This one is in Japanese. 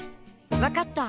わかった。